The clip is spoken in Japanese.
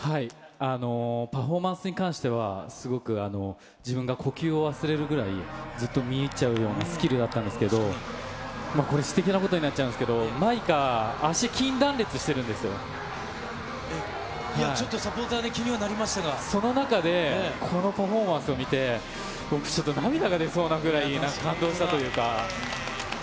パフォーマンスに関しては、すごく自分が呼吸を忘れるぐらい、ずっと見入っちゃうようなスキルだったんですけど、これ、私的なことになっちゃんですけど、マイカ、足、筋断裂してるんですちょっとサポーターで、その中で、このパフォーマンスを見て、僕、ちょっと涙が出そうなぐらい、なんか感動したというか。